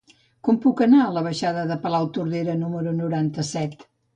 Com puc anar a la baixada de Palautordera número noranta-set?